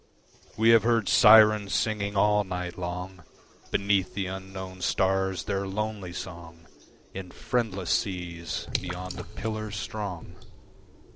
We have heard Syrens singing all night long Beneath the unknown stars their lonely song In friendless seas beyond the Pillars strong.